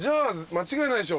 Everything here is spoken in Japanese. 間違いないです。